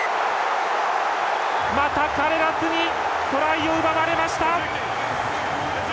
またカレラスにトライを奪われました！